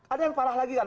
ada yang parah lagi kan